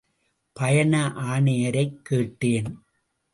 பயண ஆணையரைக் கேட்டேன்.